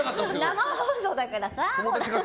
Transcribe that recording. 生放送だからさ。